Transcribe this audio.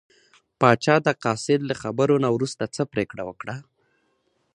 پاچا د قاصد له خبرو نه وروسته څه پرېکړه وکړه.